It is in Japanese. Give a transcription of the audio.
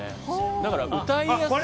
だから歌いやすい。